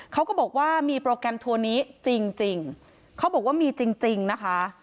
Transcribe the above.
เขาก็บอกว่ามีโปรแกรมทัวร์นี้จริงเขาบอกว่ามีจริงนะคะ